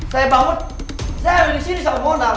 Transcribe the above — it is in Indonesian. saya bangun saya udah di sini sama mona